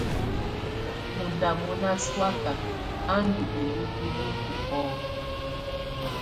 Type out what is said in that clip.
Ɔ ndá mɔná sɔaka a ndɔ ilúkuluku ɔ́k.